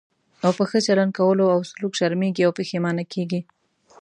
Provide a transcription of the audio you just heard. او په ښه چلند کولو او سلوک شرمېږي او پښېمانه کېږي.